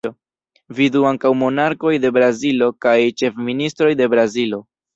Vidu ankaŭ Monarkoj de Brazilo kaj Ĉefministroj de Brazilo.